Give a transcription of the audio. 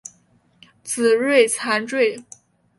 紫蕊蚤缀